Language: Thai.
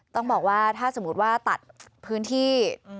ต้องบอกว่าถ้าสมมุติว่าตัดพื้นที่